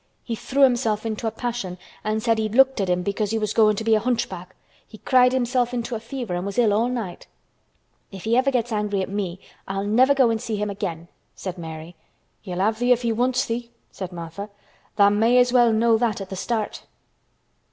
He threw himself into a passion an' he said he'd looked at him because he was going to be a hunchback. He cried himself into a fever an' was ill all night." "If he ever gets angry at me, I'll never go and see him again," said Mary. "He'll have thee if he wants thee," said Martha. "Tha' may as well know that at th' start."